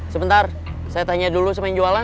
sebentar saya tanya dulu sama yang jualan